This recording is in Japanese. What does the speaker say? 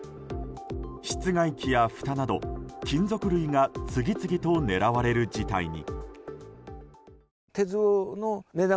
室外機やふたなど金属類が次々と狙われる事態に。